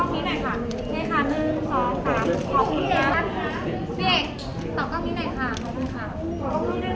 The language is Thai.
พี่ผมพี่เอกขอด้านหลังตรงนี้กล้องนี้หน่อยค่ะ